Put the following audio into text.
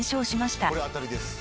これあたりです。